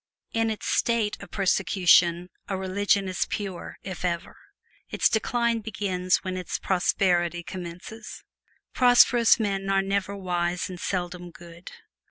In its state of persecution a religion is pure, if ever; its decline begins when its prosperity commences. Prosperous men are never wise and seldom good.